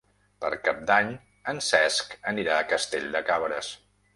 Per Cap d'Any en Cesc anirà a Castell de Cabres.